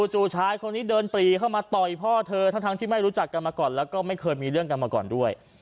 จู่ชายคนนี้เดินปรีเข้ามาต่อยพ่อเธอทั้งที่ไม่รู้จักกันมาก่อนแล้วก็ไม่เคยมีเรื่องกันมาก่อนด้วย